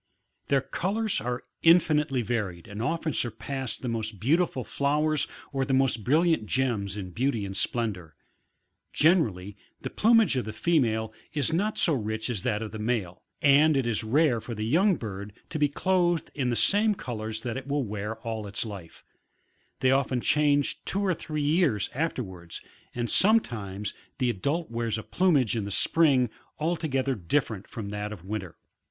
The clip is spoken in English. Their colours are infinitely varied and often surpass the most beautiful flowers or the most brilliant gems in beauty and sfden dour. Generally, the plumage of the female is not so rich as that of the male, and it is rare for the young bird to be clothed in the same colours that it will wear all its life ; they often change two or three years afterwards, and sometimes the adult wears a plumage in the spring, altogether different from that of winter.